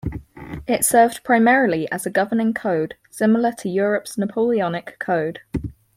It served primarily as a governing code similar to Europe's Napoleonic Code.